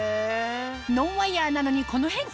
ノンワイヤーなのにこの変化